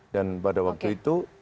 dan pada waktu itu